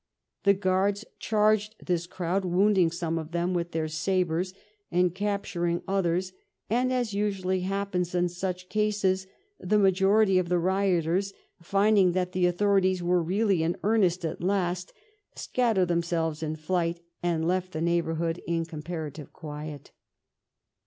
The Guards charged this crowd, wounding some of them with their sabres and capturing others, and, as usually happens in such cases, the majority of the rioters, finding that the authorities were really in earnest at last, scattered themselves in flight and left the neighborhood in comparative quiet.